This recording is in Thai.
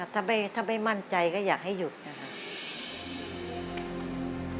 ถ้าไม่มั่นใจก็อยากให้หยุดนะครับ